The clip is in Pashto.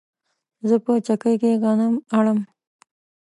زه په چکۍ کې غنم اڼم